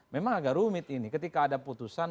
memang agak rumit ini ketika ada putusan